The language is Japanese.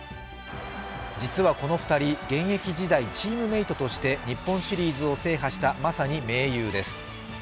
実はこの２人、現役時代、チームメートとして日本シリーズを制覇したまさに盟友です。